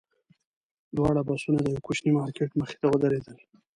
دواړه بسونه د یوه کوچني مارکېټ مخې ته ودرېدل.